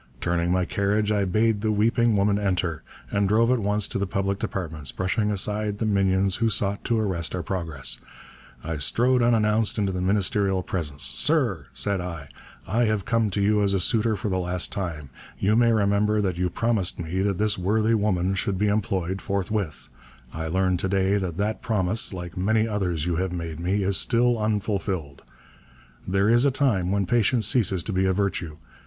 Turning my carriage I bade the weeping woman enter, and drove at once to the Public Departments. Brushing aside the minions who sought to arrest our progress, I strode unannounced into the Ministerial presence. 'Sir,' said I, 'I have come to you as a suitor for the last time. You may remember that you promised me that this worthy woman should be employed forthwith. I learn to day that that promise, like many others you have made me, is still unfulfilled. There is a time when patience ceases to be a virtue.